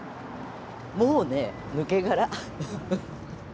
もうね抜け殻。